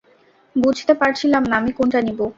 বুঝতে পারছিলাম না, আমি কোনটা নিব।